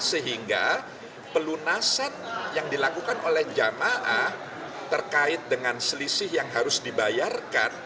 sehingga pelunasan yang dilakukan oleh jamaah terkait dengan selisih yang harus dibayarkan